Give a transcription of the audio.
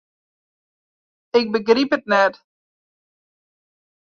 Ik begryp it net.